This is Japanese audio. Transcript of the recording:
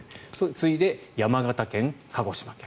次いで山形県、鹿児島県。